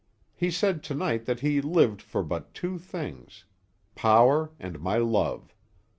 He said to night that he lived for but two things power, and my love.